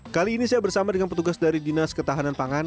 kali ini saya bersama dengan petugas dari dinas ketahanan pangan